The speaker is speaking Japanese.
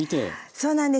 そうなんです